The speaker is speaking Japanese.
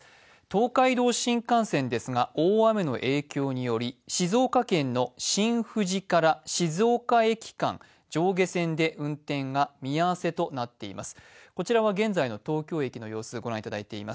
東海道新幹線、大雨の影響により、静岡県の新富士−静岡間で上下線運転見合わせとなっています。